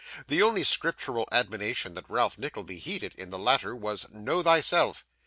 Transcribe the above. The only scriptural admonition that Ralph Nickleby heeded, in the letter, was 'know thyself.